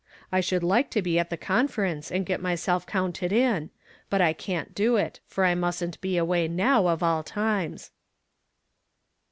I should like to be at tlie conference, and get myself counted in ; but I can't do it, for I mustn't be away now, of all times."